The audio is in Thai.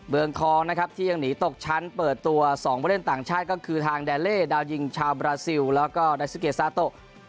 เมืองทองนะครับที่ยังหนีตกชั้นเปิดตัว๒ผู้เล่นต่างชาติก็คือทางแดเล่ดาวยิงชาวบราซิลแล้วก็ไดซิเกซาโต